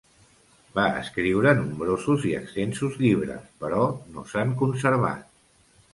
Va escriure nombrosos i extensos llibres, però no s'han conservat.